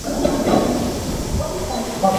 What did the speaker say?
Ka pa nih kuak zuk a ka khap.